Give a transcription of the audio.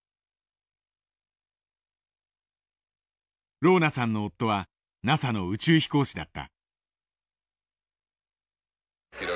ローナさんの夫はＮＡＳＡの宇宙飛行士だった。